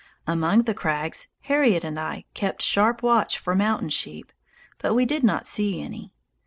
Among the crags Harriet and I kept sharp watch for mountain sheep, but we did not see any.